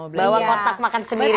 bawa kotak makan sendiri